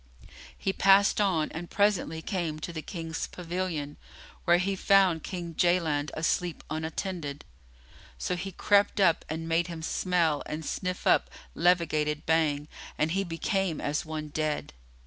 He passed on and presently came to the King's pavilion where he found King Jaland asleep unattended; so he crept up and made him smell and sniff up levigated Bhang and he became as one dead.